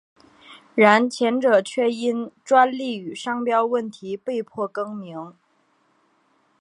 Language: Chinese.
然前者却因专利与商标问题被迫更名。